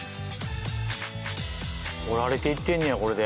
折られていってんねやこれで。